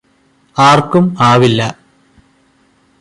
ആര്ക്കും ആവില്ല